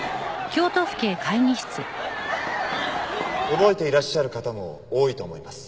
覚えていらっしゃる方も多いと思います。